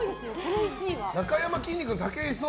なかやまきんに君、武井壮。